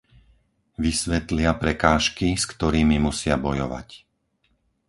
Vysvetlia prekážky, s ktorými musia bojovať.